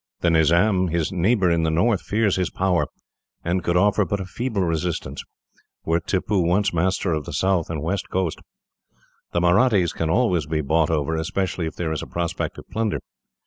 The Nizam, his neighbour in the north, fears his power, and could offer but a feeble resistance, were Tippoo once master of the south and west coast. The Mahrattis can always be bought over, especially if there is a prospect of plunder.